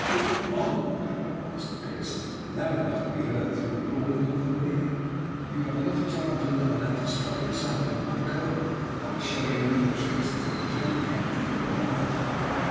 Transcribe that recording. "Hoot, mon!" cried Master Pearson, loud enough to be heard through the brawling of the weir; "you have time enough to learn how to strike a `sawmon;' but come, I will show you another trick, since we have joined company for the night."